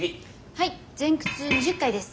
はい前屈２０回です。